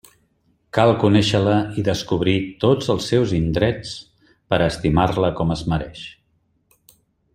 Cal conéixer-la i descobrir tots els seus indrets per a estimar-la com es mereix.